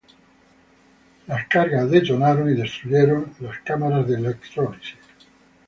Las cargas detonaron y destruyeron las cámaras de electrólisis.